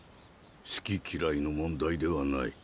好き嫌いの問題ではない。